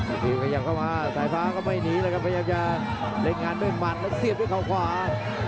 ทีขยับเข้ามาสายฟ้าก็ไม่หนีเลยครับพยายามจะเล่นงานด้วยหมัดแล้วเสียบด้วยเขาขวา